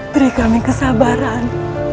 beri kami kesabaran